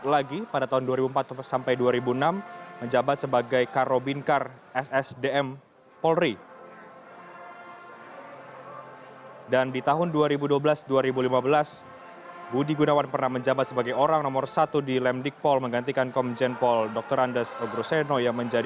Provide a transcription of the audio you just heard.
lagu kebangsaan indonesia raya